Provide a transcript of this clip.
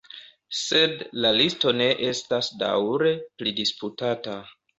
Sed la listo estas daŭre pridisputata.